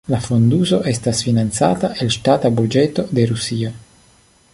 La fonduso estas financata el ŝtata buĝeto de Rusio.